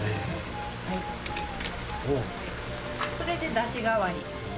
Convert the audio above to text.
それでだし代わり